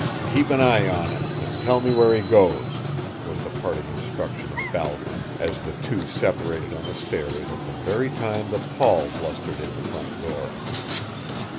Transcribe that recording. "Keep an eye on him and tell me where he goes," was the parting instruction of Balcom as the two separated on the stairs at the very time that Paul blustered in the front door.